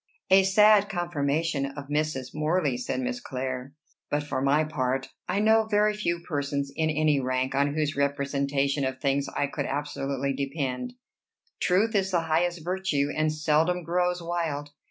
"A sad confirmation of Mrs. Morley," said Miss Clare. "But for my part I know very few persons in any rank on whose representation of things I could absolutely depend. Truth is the highest virtue, and seldom grows wild.